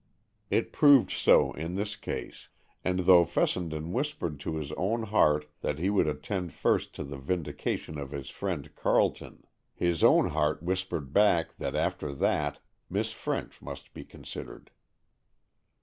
It proved so in this case, and though Fessenden whispered to his own heart that he would attend first to the vindication of his friend Carleton, his own heart whispered back that after that, Miss French must be considered.